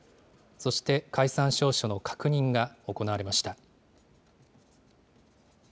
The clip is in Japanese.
そして、解散詔書の確認が行われました。